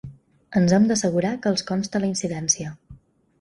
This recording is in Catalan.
Ens hem d'assegurar que els consta la incidència.